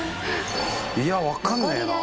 いや分かんねえな。